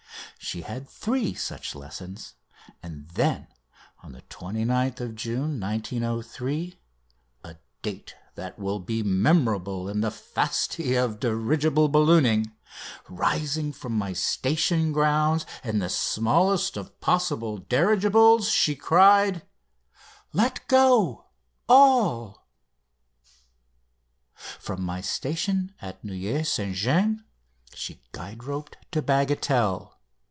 She had three such lessons, and then on 29th June 1903, a date that will be memorable in the Fasti of dirigible ballooning, rising from my station grounds in the smallest of possible dirigibles, she cried: "Let go all!" From my station at Neuilly St James she guide roped to Bagatelle.